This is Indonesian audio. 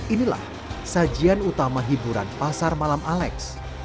inilah sajian utama hiburan pasar malam alex